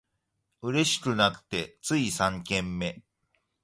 嬉しくなってつい三軒目